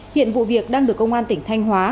hiện vụ việc đang được công an tỉnh thanh hóa